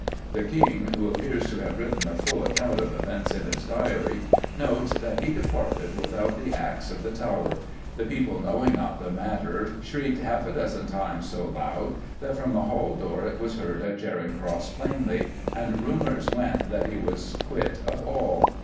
The King, who appears to have written a full account of events in his diary, notes that "he departed without the axe of the Tower. The people knowing not the matter shrieked half a dozen times so loude that from the halle dore it was heard at Charing Crosse plainely, and rumours went that he was quitte of all."